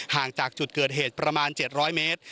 ห่างจากจุดเกิดเหตุประมาณ๗๐๐เมตร